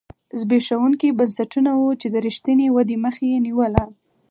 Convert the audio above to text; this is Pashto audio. زبېښونکي بنسټونه وو چې د رښتینې ودې مخه یې نیوله.